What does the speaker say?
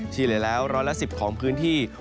เฉลี่ยแล้วร้อยละ๑๐ของพื้นที่